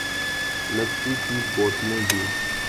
لسی کی بوتلیں دی ۔